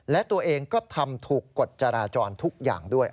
และตัวเองก็ทำถูกกฎจราจรทุกอย่างด้วย